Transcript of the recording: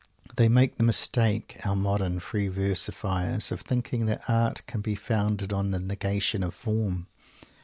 They make the mistake, our modern free versifiers, of thinking that Art can be founded on the Negation of Form.